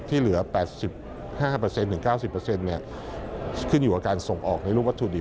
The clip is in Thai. ที่เหลือ๘๕๙๐ขึ้นอยู่กับการส่งออกในรูปวัตถุดิบ